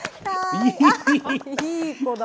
いい子だな。